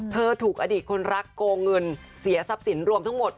ถูกอดีตคนรักโกงเงินเสียทรัพย์สินรวมทั้งหมด